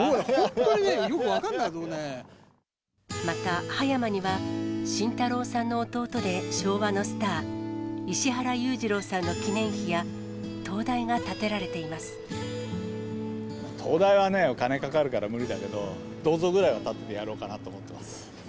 本当にね、よく分かんない、また、葉山には、慎太郎さんの弟で昭和のスター、石原裕次郎さんの記念碑や、灯台が建てられ灯台はね、お金かかるから無理だけど、銅像ぐらいは建ててやろうかなと思ってます。